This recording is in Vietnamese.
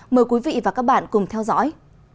mời quý vị và các bạn cùng theo dõi